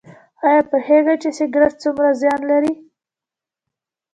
ایا پوهیږئ چې سګرټ څومره زیان لري؟